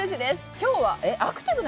きょうはアクティブな？